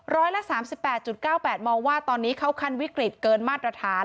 ร้อยละ๓๘๙๘มองว่าตอนนี้เข้าขั้นวิกฤตเกินมาตรฐาน